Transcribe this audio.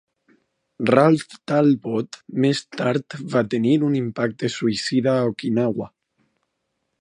"Ralph Talbot" més tard va tenir un impacte suïcida a Okinawa.